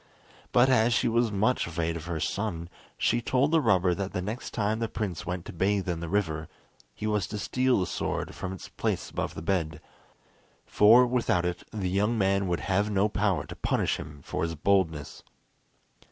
But as she was much afraid of her son, she told the robber that the next time the prince went to bathe in the river, he was to steal the sword from its place above the bed, for without it the young man would have no power to punish him for his boldness.